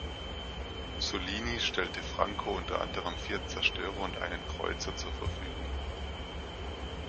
Mussolini stellte Franco unter anderem vier Zerstörer und einen Kreuzer zur Verfügung.